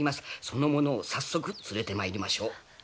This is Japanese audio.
その者を早速連れてまいりましょう。